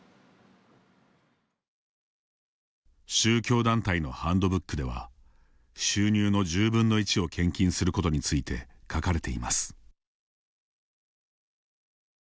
宗教団体のハンドブックでは収入の１０分の１を献金することについて書かれています。